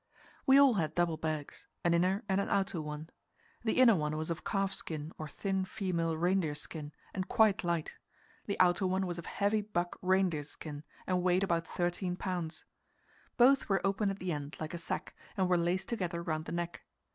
We all had double bags an inner and an outer one. The inner one was of calf skin or thin female reindeer skin, and quite light; the outer one was of heavy buck reindeer skin, and weighed about 13 pounds. Both were open at the end, like a sack, and were laced together round the neck.